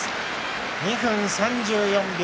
２分３４秒。